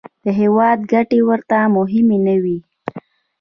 د هېواد ګټې ورته مهمې نه وې.